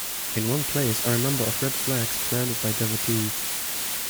In one place are a number of red flags planted by devotees.